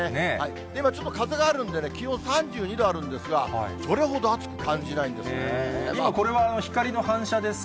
今ちょっと風があるんでね、気温３２度あるんですが、それほ今、これは光の反射ですか？